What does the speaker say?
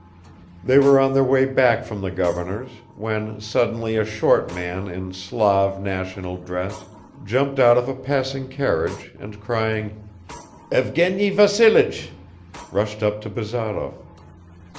They were on their way back from the governor's, when suddenly a short man in Slav national dress jumped out of a passing carriage and crying "Evgeny Vassilich," rushed up to Bazarov.